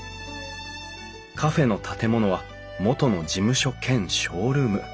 カフェの建物は元の事務所兼ショールーム。